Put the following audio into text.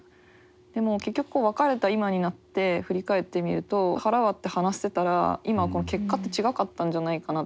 でも結局別れた今になって振り返ってみると腹割って話してたら今結果って違かったんじゃないかなって。